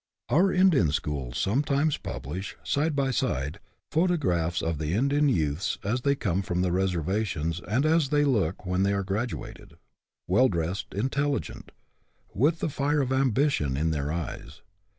Our Indian schools sometimes publish, s!3e by side, photographs of the Indian youths as they come from the reservation and as they look when they are graduated, well dressed, intelligent, with the fire of ambition in their eyes.